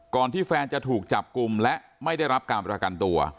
ที่แฟนจะถูกจับกลุ่มและไม่ได้รับการประกันตัว